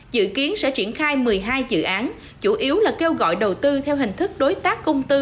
dự kiến sẽ triển khai một mươi hai dự án chủ yếu là kêu gọi đầu tư theo hình thức đối tác công tư